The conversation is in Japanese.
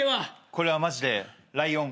これはマジでライオン。